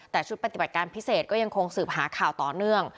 แต่ชุดปฏิบัติการพิเศษก็ยังคงสืบหาข่าวต่อเนื่อง